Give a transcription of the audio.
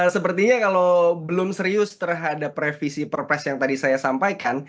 sepertinya kalau belum serius terhadap revisi perpres yang tadi saya sampaikan